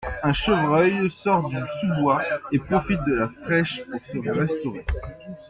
Un chevreuil sort du sous-bois et profite de la fraîche pour se restaurer.